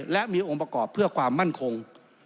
และมีองค์ประกอบเพื่อความมั่นคง